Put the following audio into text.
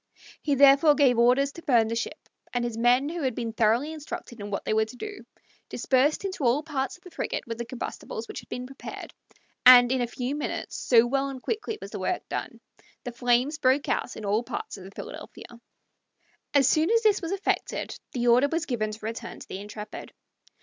He therefore gave orders to burn the ship, and his men, who had been thoroughly instructed in what they were to do, dispersed into all parts of the frigate with the combustibles which had been prepared, and in a few minutes, so well and quickly was the work done, the flames broke out in all parts of the Philadelphia. As soon as this was effected the order was given to return to the Intrepid.